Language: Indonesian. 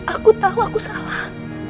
aku tau aku salah